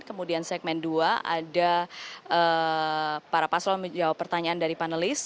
kemudian segmen dua ada para paslon menjawab pertanyaan dari panelis